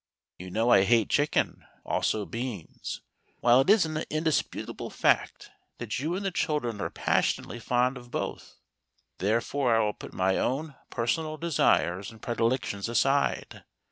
You know I hate chicken, also beans; while it is an indisputable fact that you and the children are passionately fond of both. Therefore I will put my own personal desires and predilections aside.